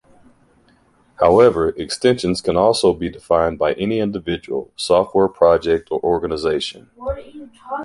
However, extensions can also be defined by any individual, software project, or organization.